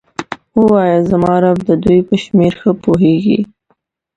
ووایه زما رب د دوی په شمیر ښه پوهیږي.